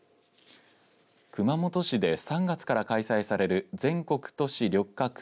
熊本市で３月から開催される全国都市緑化